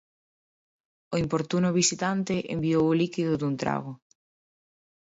O importuno visitante enviou o líquido dun trago.